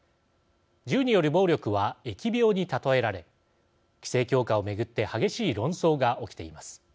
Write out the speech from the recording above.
銃による暴力は疫病に例えられ規制強化を巡って激しい論争が起きています。